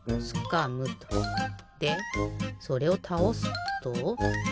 でそれをたおすと。